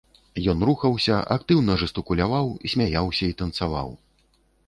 Ён рухаўся, актыўна жэстыкуляваў, смяяўся і танцаваў!